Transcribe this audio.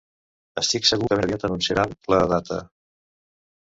Estic segur que ben aviat anunciaran la data.